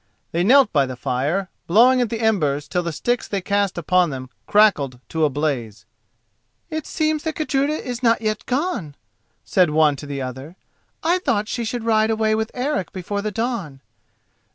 They knelt by the fire, blowing at the embers till the sticks they cast upon them crackled to a blaze. "It seems that Gudruda is not yet gone," said one to the other. "I thought she should ride away with Eric before the dawn."